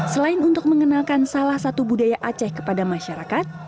selain untuk mengenalkan salah satu budaya aceh kepada masyarakat